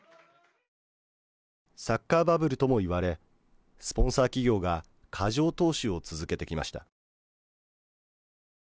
サッカーバブルとも言われスポンサー企業が過剰投資を続けてきました。